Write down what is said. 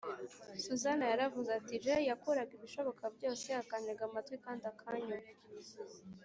Susan yaravuze ati Je yakoraga ibishoboka byose akantega amatwi kandi akanyumva